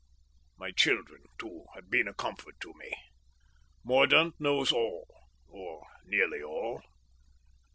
"My children, too, have been a comfort to me. Mordaunt knows all, or nearly all.